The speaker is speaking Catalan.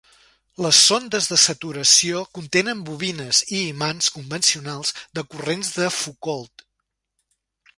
Les sondes de saturació contenen bobines i imants convencionals de corrents de Foucault.